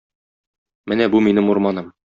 Менә бу минем урманым.